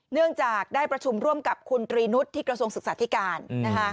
เนื่องจากได้ประชุมร่วมกับคุณตรีนุษย์ที่กระทรวงศึกษาธิการนะคะ